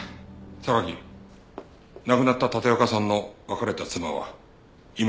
榊亡くなった立岡さんの別れた妻は今京都に住んでいる。